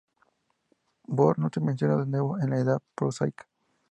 Bor no se menciona de nuevo en la Edda prosaica.